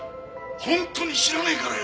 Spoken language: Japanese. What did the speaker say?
本当に知らねえからよ！